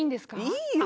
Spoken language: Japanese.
いいよ。